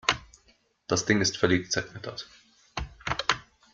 Das Ding ist völlig zerknittert.